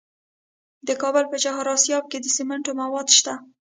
د کابل په چهار اسیاب کې د سمنټو مواد شته.